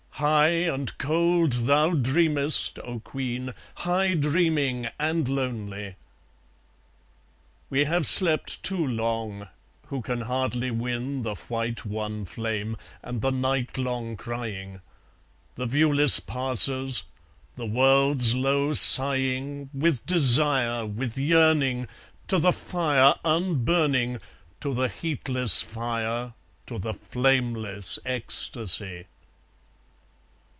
High and cold thou dreamest, O queen, high dreaming and lonely. We have slept too long, who can hardly win The white one flame, and the night long crying; The viewless passers; the world's low sighing With desire, with yearning, To the fire unburning, To the heatless fire, to the flameless ecstasy!